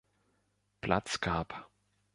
Platz gab.